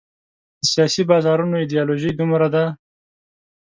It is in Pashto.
د سیاسي بازارونو ایډیالوژۍ دومره دي.